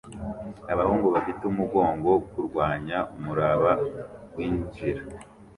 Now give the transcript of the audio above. Abahungu bafite umugongo kurwanya umuraba winjira